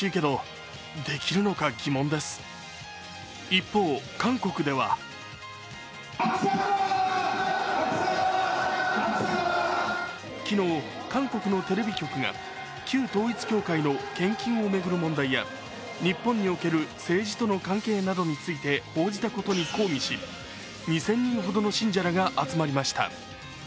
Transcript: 一方、韓国では昨日、韓国のテレビ局が旧統一教会の献金を巡る問題や日本における政治との関係について報じたことに抗議し２０００人ほどの信者らが集まりました。